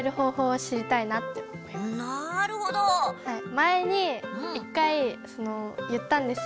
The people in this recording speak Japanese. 前に１回言ったんですよ。